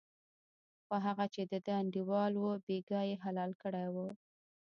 خو هغه چې دده انډیوال و بېګا یې حلال کړی و.